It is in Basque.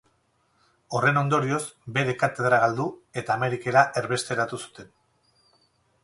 Horren ondorioz, bere katedra galdu eta Amerikara erbesteratu zuten.